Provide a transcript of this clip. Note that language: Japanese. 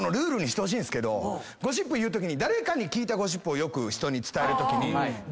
ゴシップ言うときに誰かに聞いたゴシップを人に伝えるときに。